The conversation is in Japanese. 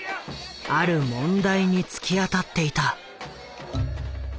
ある問題に突き当たっていた。